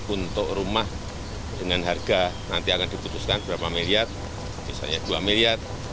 untuk rumah dengan harga nanti akan diputuskan berapa miliar misalnya dua miliar